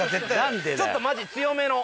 ちょっとマジ強めの。